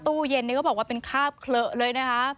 ตู้เย็นนี่ก็บอกว่าเป็นคาบเขละเลยนะคะ